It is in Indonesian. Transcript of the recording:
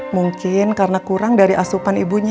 mungkin karena kurang dari asupan ibunya